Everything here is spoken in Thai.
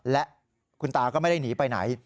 และคุณตาก็ไม่ได้หนีไปไหน